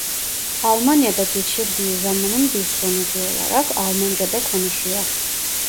Almanya'da geçirdiği zamanın bir sonucu olarak Almanca da konuşuyor.